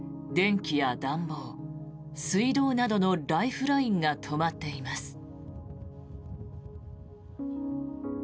電気や暖房、水道などのライフラインが止まっています。